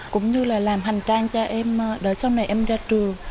cũng như là làm hành trang cho em đời sau này em ra trường